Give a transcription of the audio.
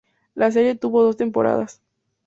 La serie tuvo dos temporadas.